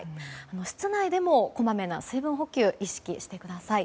室内でもこまめな水分補給意識してください。